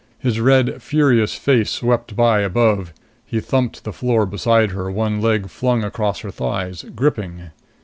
His red, furious face swept by above. He thumped to the floor beside her, one leg flung across her thighs, gripping.